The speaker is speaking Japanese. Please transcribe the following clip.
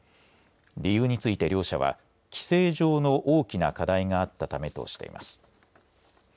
理由について両社は規制上の大きな課題があったためとしています。